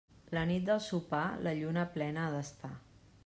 La nit del Sopar, la lluna plena ha d'estar.